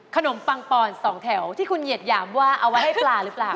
ปังปอนสองแถวที่คุณเหยียดหยามว่าเอาไว้ให้ปลาหรือเปล่า